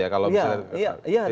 iya jelas lah